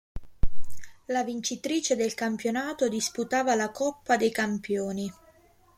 La vincitrice del campionato disputava la Coppa dei Campioni.